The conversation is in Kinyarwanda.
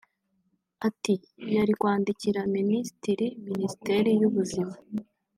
Ati "Yari kwandikira Minisitiri Minisiteri y’ubuzima